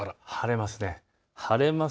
晴れます。